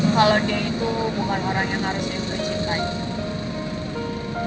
kalau dia itu bukan orang yang harus diberi cinta itu